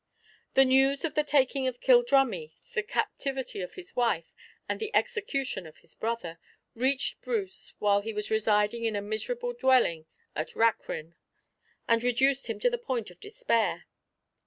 The news of the taking of Kildrummie, the captivity of his wife, and the execution of his brother, reached Bruce while he was residing in a miserable dwelling at Rachrin, and reduced him to the point of despair.